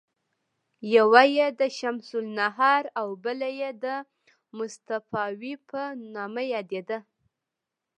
یوه یې د شمس النهار او بله یې د مصطفاوي په نامه یادیده.